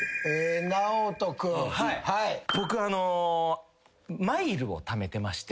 僕マイルをためてまして。